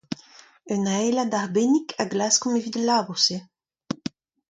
Un aelad arbennik a glaskomp evit al labour-se.